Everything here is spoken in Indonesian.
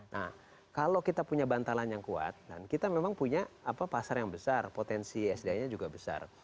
nah kalau kita punya bantalan yang kuat dan kita memang punya pasar yang besar potensi sd nya juga besar